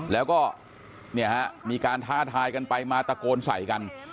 แล้วก็เนี่ยฮะมีการท้าทายกันไปมาตะโกนใส่กัน